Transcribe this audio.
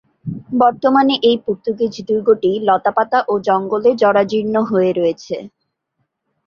বর্তমানে এই পর্তুগীজ দুর্গটি লতা-পাতা ও জঙ্গলে জরাজীর্ণ হয়ে রয়েছে।